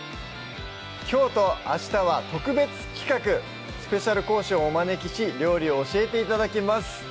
きょうと明日は特別企画スペシャル講師をお招きし料理を教えて頂きます